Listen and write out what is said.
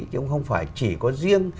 chứ không phải chỉ có riêng